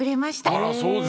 あらそうですか。